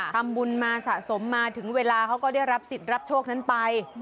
ทำบุญมาสะสมมาถึงเวลาเขาก็ได้รับสิทธิ์รับโชคนั้นไป